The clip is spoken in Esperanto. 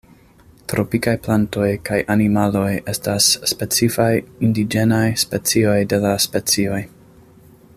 Tropikaj plantoj kaj animaloj estas specifaj indiĝenaj specioj de la specioj.